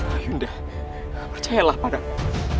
ah yunda percayalah padamu